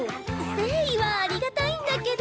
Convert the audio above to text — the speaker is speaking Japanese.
誠意はありがたいんだけど。